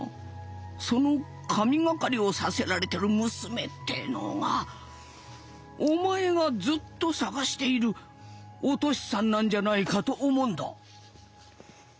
その神懸かりをさせられてる娘ってのがお前がずっと捜しているお敏さんなんじゃないかと思うんだ」。